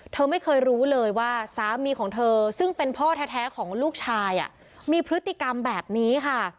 เธอไม่เคยรู้เลยว่าสามีของเธอซึ่งเป็นพ่อแท้ของลูกชายมีพฤติกรรมแบบนี้ค่ะ